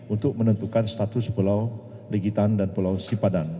untuk menentukan status pulau legitan dan pulau sipadan